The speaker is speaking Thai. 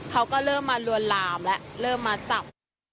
เขาก็เริ่มมาลวนลามแล้วเริ่มมาจับ